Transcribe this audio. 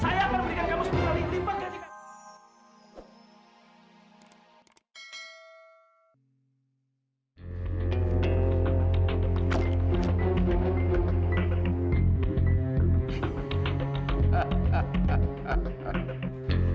saya akan memberikan kamu sepuluh ribuan